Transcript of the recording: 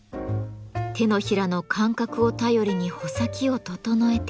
手のひらの感覚を頼りに穂先を整えていく。